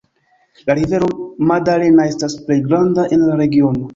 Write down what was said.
La rivero Magdalena estas plej granda en la regiono.